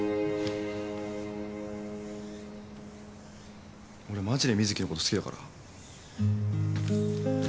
俺マジで瑞稀のこと好きだから。